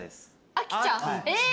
あきちゃ？え！？